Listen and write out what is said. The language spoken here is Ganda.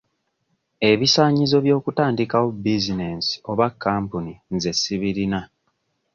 Ebisaanyizo by'okutandikawo bizinensi oba kampuni nze sibirina.